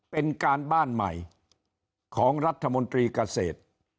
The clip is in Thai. เป็นการบ้านใหม่ของรัฐมนตรีเกษตร